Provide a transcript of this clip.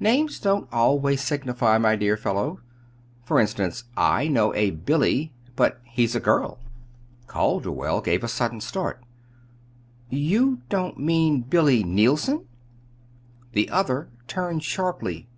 Names don't always signify, my dear fellow. For instance, I know a 'Billy' but he's a girl." Calderwell gave a sudden start. "You don't mean Billy Neilson?" The other turned sharply.